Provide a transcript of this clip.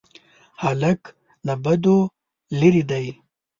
هلک له بدیو لیرې دی.